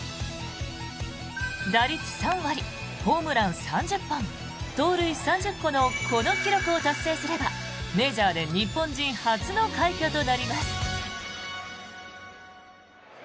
打率３割、ホームラン３０本盗塁３０個のこの記録を達成すればメジャーで日本人初の快挙となります。